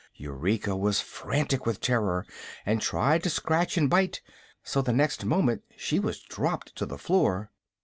Eureka was frantic with terror, and tried to scratch and bite, so the next moment she was dropped to the floor.